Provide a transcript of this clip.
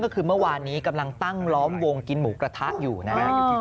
ก็คือเมื่อวานนี้กำลังตั้งล้อมวงกินหมูกระทะอยู่นะฮะ